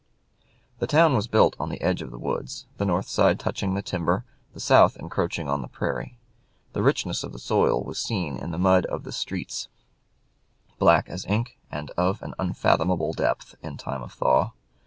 The town was built on the edge of the woods, the north side touching the timber, the south encroaching on the prairie. The richness of the soil was seen in the mud of the streets, black as ink, and of an unfathomable depth in time of thaw.